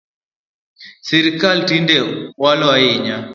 Sirkal tinde walo ahinya